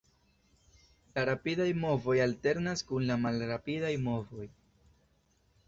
La rapidaj movoj alternas kun la malrapidaj movoj.